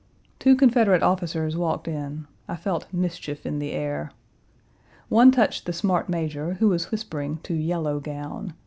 Two Confederate officers walked in. I felt mischief in the air. One touched the smart major, who was whispering to Yellow Gown.